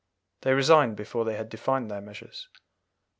They resigned before they had defined their measures.